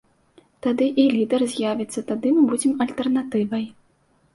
Тады і лідар з'явіцца, тады мы будзем альтэрнатывай.